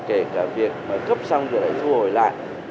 kể cả việc cấp xong rồi thu hồi lại